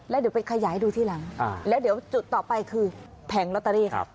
แล้วเดี๋ยวไปขยายดูทีหลังแล้วเดี๋ยวจุดต่อไปคือแผงลอตเตอรี่ครับ